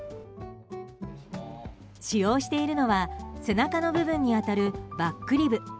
使用しているのは背中の部分に当たるバックリブ。